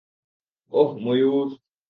ওহ, ময়ূর?